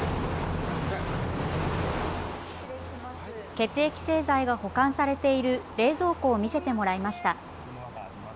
血液製剤が保管されている冷蔵庫を見せてもらいました。